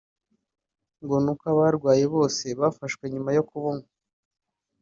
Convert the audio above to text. ngo ni uko abarwaye bose bafashwe nyuma yo kubunywa